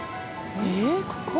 えっここ？